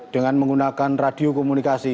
dengan menggunakan radio komunikasi